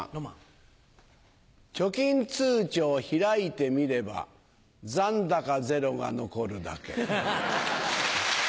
貯金通帳開いてみれば残高ゼロが残るだけ。